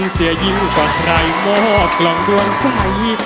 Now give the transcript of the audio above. เสียยิ่งกว่าใครมอบกล่องดวงใจ